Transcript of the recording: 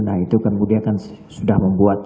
nah itu kemudian kan sudah membuat